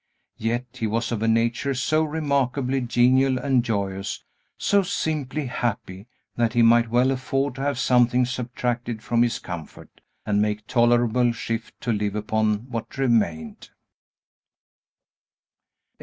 Yet he was of a nature so remarkably genial and joyous, so simply happy, that he might well afford to have something subtracted from his comfort, and make tolerable shift to live upon what remained.